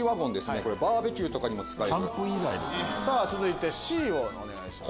続いてＣをお願いします。